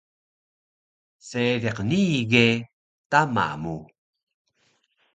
Seediq nii ge tama mu